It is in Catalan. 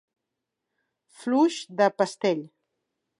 Fluix de pestell.